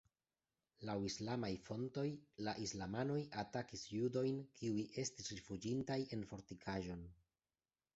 Laŭ islamaj fontoj, la islamanoj atakis judojn kiuj estis rifuĝintaj en fortikaĵon.